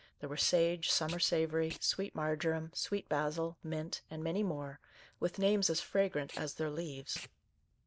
There were sage, summer savoury, sweet marjoram, sweet basil, mint, and many more, with names as fragrant as their leaves.